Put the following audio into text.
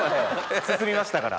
進みましたから。